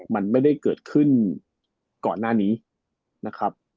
มันไม่ได้เกิดขึ้นก่อนหน้านี้นะครับ